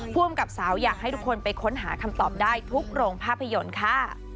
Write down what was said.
ภูมิกับสาวอยากให้ทุกคนไปค้นหาคำตอบได้ทุกโรงภาพยนตร์ค่ะ